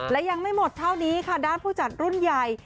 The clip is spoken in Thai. และยังไม่หมดเท่านี้ค่ะด้านผู้จัดรุ่นใหญ่